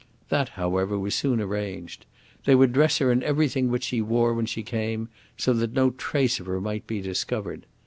That, however, was soon arranged. They would dress her in everything which she wore when she came, so that no trace of her might be discovered.